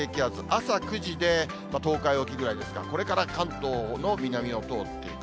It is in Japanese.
朝９時で東海沖ぐらいですか、これから関東の南を通っていく。